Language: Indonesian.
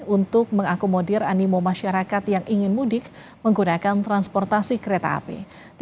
untuk mengakomodir animo masyarakat yang ingin mudik menggunakan transportasi kereta api